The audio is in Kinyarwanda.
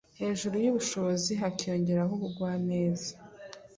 hejuru y’ubushobozi hakiyongeraho ubugwaneza